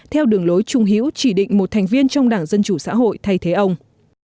theo đường lối trung hữu chỉ định một thành viên trong đảng dân chủ xã hội thay thế ông